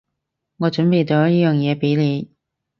我準備咗呢樣嘢畀你